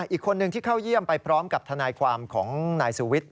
อีกคนนึงที่เข้าเยี่ยมไปพร้อมกับทนายความของนายสุวิทย